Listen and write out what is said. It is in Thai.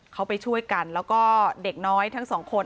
เขาไปช่วยกันแล้วก็เด็กน้อยทั้งสองคน